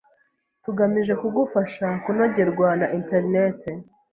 tugamije kugufasha kunogerwa na interineti.